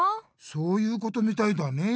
そういうことみたいだねえ。